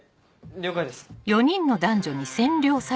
了解です。